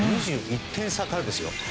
２１点差からですよ。